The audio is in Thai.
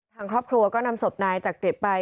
ทางครอบครัวก็นำศพนายจักริตไป